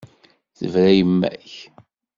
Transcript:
Tebra yemma-k.